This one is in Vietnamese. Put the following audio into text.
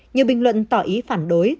nhiều bình luận tỏ ý phản đối